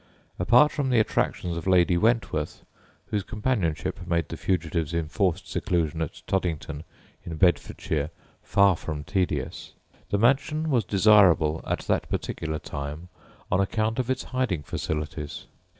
Apart from the attractions of Lady Wentworth, whose companionship made the fugitive's enforced seclusion at Toddington, in Bedfordshire, far from tedious, the mansion was desirable at that particular time on account of its hiding facilities.